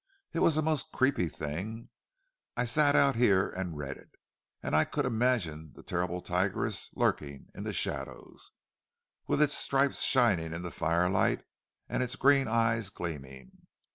It was a most creepy thing—I sat out here and read it, and I could imagine the terrible tigress lurking in the shadows, with its stripes shining in the firelight, and its green eyes gleaming.